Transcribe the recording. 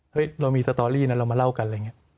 เรามีสตอรี่นะเรามาเล่ากันอะไรอย่างนี้